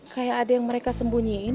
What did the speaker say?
kayak ada yang mereka sembunyiin